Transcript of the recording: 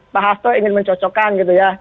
pak hasto ingin mencocokkan gitu ya